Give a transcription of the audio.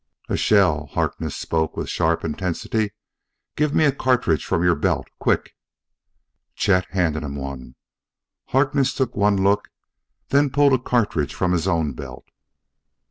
"A shell!" Harkness spoke with sharp intensity. "Give me a cartridge from your belt, quick!" Chet handed him one. Harkness took one look, then pulled a cartridge from his own belt.